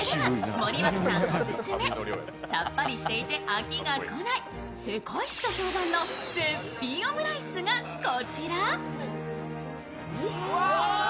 オススメさっぱりしていて飽きが来ない、世界一と評判の絶品オムライスがこちら。